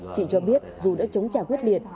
chị cho biết dù đã chống trả quyết liệt